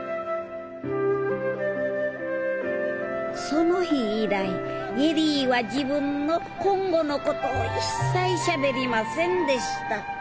その日以来恵里は自分の今後のことを一切しゃべりませんでした。